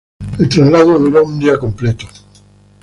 El traslado duró un día completo.